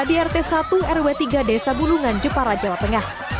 di rt satu rw tiga desa bulungan jepara jawa tengah